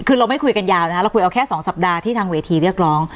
คือเรามันกันไม่คุยยาวนะฮะเราคุยเอาแค่สองสัปดาห์ที่ทางวีทีเรียกร้อง